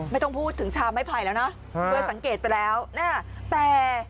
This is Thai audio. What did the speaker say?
ไม่ต้องพูดถึงชามไม้ไผ่แล้วนะโดยสังเกตไปแล้วนะแต่